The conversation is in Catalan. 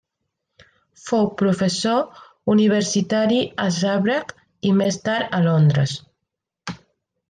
Fou professor universitari a Zagreb i més tard a Londres.